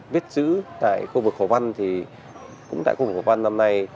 viết chữ tại khu vực hồ văn thì cũng tại khu vực hồ văn năm nay